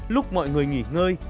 lúc mọi người nghỉ ngơi